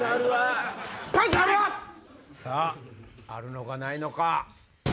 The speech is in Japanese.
さぁあるのかないのか。